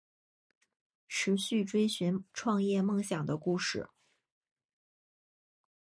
持续追寻创业梦想的故事